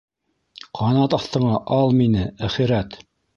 - Ҡанат аҫтыңа ал мине, әхирәт!